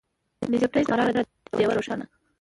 لیږه پریږده په قرار ډېوه روښانه